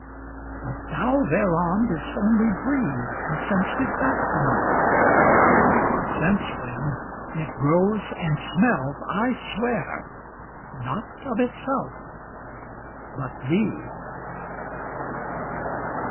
But thou thereon didst only breathe, And sent'st back to me: Since when it grows, and smells, I swear, Not of itself, but thee.